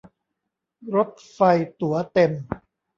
รถไฟตั๋วเต็ม